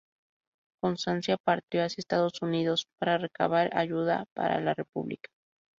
Constancia partió hacia Estados Unidos para recabar ayuda para la República.